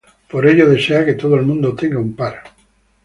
Por ello desea que todo el mundo tenga un par.